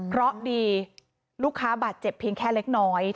เพราะดีลูกค้าบาดเจ็บเพียงแค่เล็กน้อย